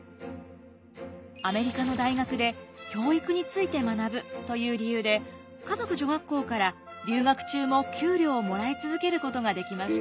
アメリカの大学で教育について学ぶという理由で華族女学校から留学中も給料をもらい続けることができました。